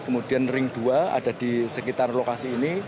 kemudian ring dua ada di sekitar lokasi ini